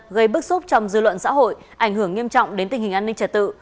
gây bức xúc trong dư luận xã hội ảnh hưởng nghiêm trọng đến tình hình an ninh trật tự